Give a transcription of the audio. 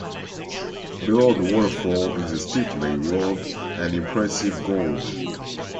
Below the waterfall is a steeply walled and impressive gorge.